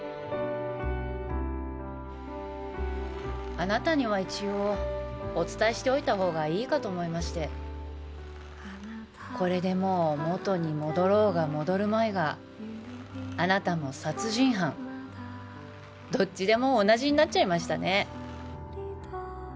あなたには一応お伝えしておいた方がいいかと思いましてこれでもう元に戻ろうが戻るまいがあなたも殺人犯どっちでも同じになっちゃいましたね